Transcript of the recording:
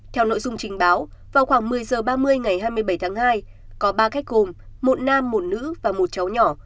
theo nội dung trình báo vào khoảng một mươi h ba mươi ngày hai mươi bảy tháng hai có ba khách gồm một nam một nữ và một cháu nhỏ